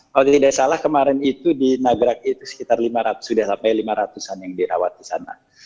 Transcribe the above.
kalau tidak salah kemarin itu di nagrak itu sekitar lima ratus sudah sampai lima ratus an yang dirawat di sana